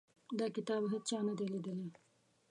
دا کتاب هیچا نه دی لیدلی.